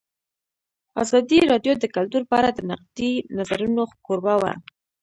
ازادي راډیو د کلتور په اړه د نقدي نظرونو کوربه وه.